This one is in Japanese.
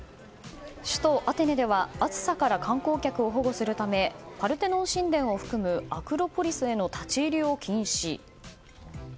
首都アテネでは暑さから観光客を保護するためパルテノン神殿を含むアクロポリスへの立ち入りを禁止。